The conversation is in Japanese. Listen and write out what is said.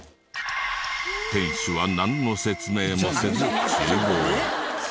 店主はなんの説明もせず厨房へ。